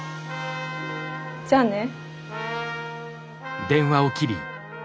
じゃあね。